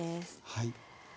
はい。